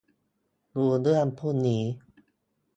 ดูเรื่องพรุ่งนี้